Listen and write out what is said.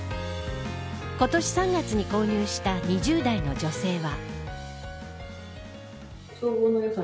今年３月に購入した２０代の女性は。